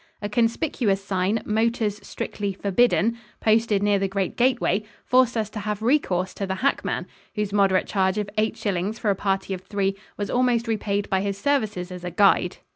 A conspicuous sign, "Motors strictly forbidden," posted near the great gateway, forced us to have recourse to the hackman, whose moderate charge of eight shillings for a party of three was almost repaid by his services as a guide.